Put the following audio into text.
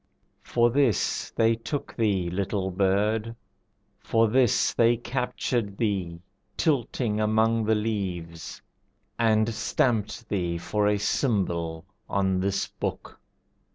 For this they took thee, little bird, for this They captured thee, tilting among the leaves, And stamped thee for a symbol on this book.